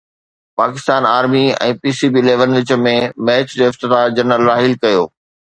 Pakistan army ۽ P C B eleven وچ ۾ match جو افتتاح جنرل راحيل ڪيو